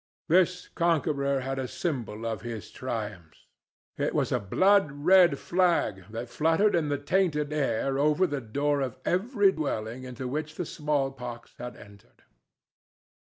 This conqueror had a symbol of his triumphs: it was a blood red flag that fluttered in the tainted air over the door of every dwelling into which the small pox had entered.